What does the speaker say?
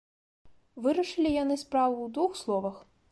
Вырашылі яны справу ў двух словах.